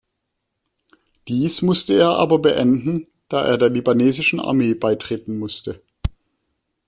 Dies musste er aber beenden, da er der libanesischen Armee beitreten musste.